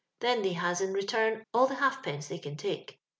Then they has in return fdl the halfpence they can take.